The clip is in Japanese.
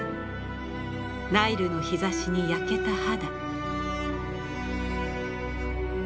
ナイルの日ざしに焼けた肌。